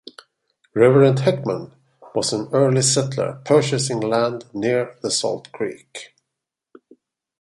Reverend Heckman was an early settler purchasing land near the Salt Creek.